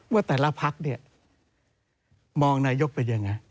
ว่าแต่ละพักมองนายกไปยังไง